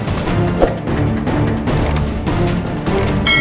gue harus ketemu mona sekarang cepetnya yuk